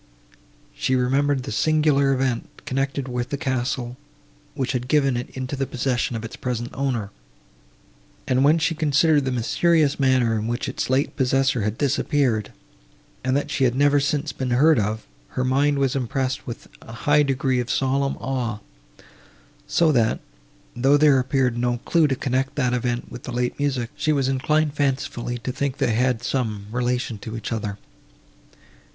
She remembered the singular event, connected with the castle, which had given it into the possession of its present owner; and, when she considered the mysterious manner, in which its late possessor had disappeared, and that she had never since been heard of, her mind was impressed with a high degree of solemn awe; so that, though there appeared no clue to connect that event with the late music, she was inclined fancifully to think they had some relation to each other.